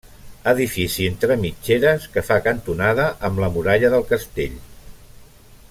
Edifici entre mitgeres que fa cantonada amb la Muralla del Castell.